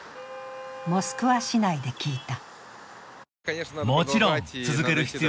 モスクワ市内で聞いた。